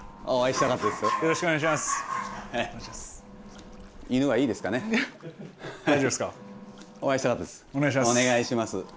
お願いします。